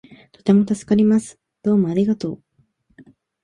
とても助かります。どうもありがとう